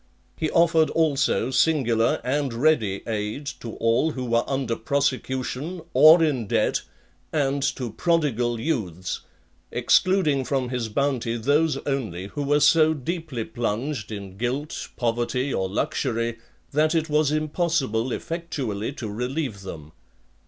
He offered also singular and ready aid to all who were under prosecution, or in debt, and to prodigal youths; excluding from (19) his bounty those only who were so deeply plunged in guilt, poverty, or luxury, that it was impossible effectually to relieve them.